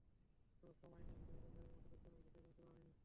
তবে শ্রম আইনের বিধিমালা জারির মতো গুরুত্বপূর্ণ বিষয়টির এখনো সুরাহা হয়নি।